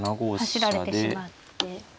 走られてしまって。